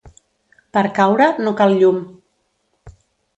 Per caure, no cal llum.